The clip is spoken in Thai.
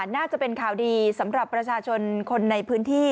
น่าจะเป็นข่าวดีสำหรับประชาชนคนในพื้นที่